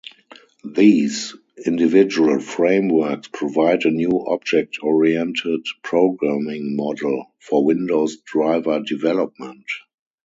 These individual frameworks provide a new object-oriented programming model for Windows driver development.